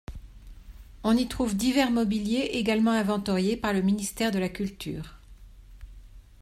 On y trouve divers mobiliers également inventoriés par le ministère de la Culture.